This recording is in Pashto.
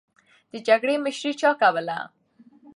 د جګړې مشري چا کوله؟